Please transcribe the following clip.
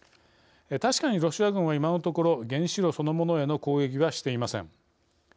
確かにロシア軍は今のところ原子炉そのものへの攻撃はしていません。